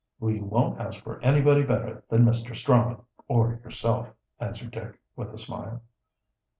"We won't ask for anybody better than Mr. Strong or yourself," answered Dick, with a smile.